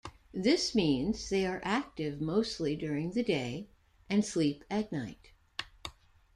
This means they are active mostly during the day and sleep at night.